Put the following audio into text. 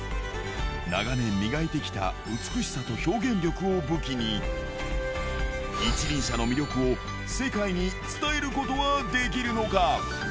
長年磨いてきた美しさと表現力を武器に、一輪車の魅力を世界に伝えることはできるのか。